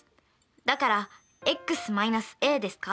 だからｘ−ａですか？